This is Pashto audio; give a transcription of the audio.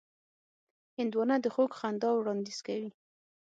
هندوانه د خوږ خندا وړاندیز کوي.